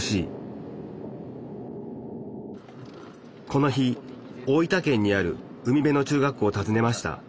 この日大分県にある海辺の中学校をたずねました。